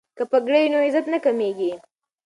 که پګړۍ وي نو عزت نه کمیږي.